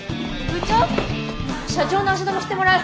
社長の足止めしてもらう。